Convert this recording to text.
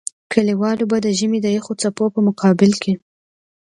کلیوالو به د ژمي د يخو څپو په مقابل کې.